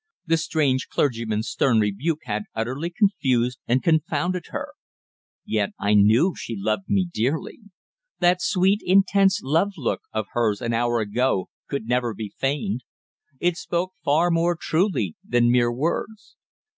The strange clergyman's stern rebuke had utterly confused and confounded her. Yet I knew she loved me dearly. That sweet, intense love look of hers an hour ago could never be feigned. It spoke far more truly than mere words.